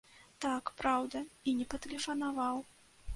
Так, праўда, і не патэлефанаваў.